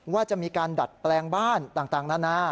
ว่าจะมีการดัดแปลงบ้านต่างนานา